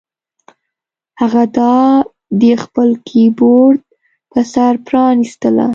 هغه دا د خپل کیبورډ په سر پرانیستله